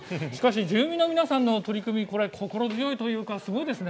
住民の皆さんの取り組み心強いというかすごいですね。